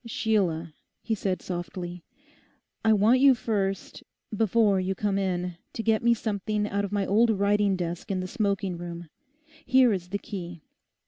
'Sheila,' he said softly, 'I want you first, before you come in, to get me something out of my old writing desk in the smoking room. Here is the key.